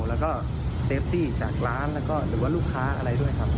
แล้วก็เซฟตี้จากร้านแล้วก็หรือว่าลูกค้าอะไรด้วยครับ